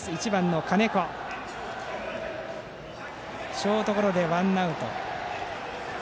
金子をショートゴロでワンアウト。